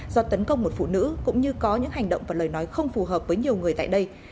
do tấn công một phụ nữ cũng như có những hành động và lời nói không phù hợp với nhiều người tại đây